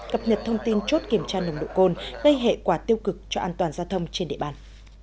cập nhật thông tin chốt kiểm tra nồng độ cồn gây hệ quả tiêu cực cho an toàn giao thông trên địa bàn